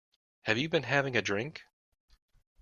Have you been having a drink?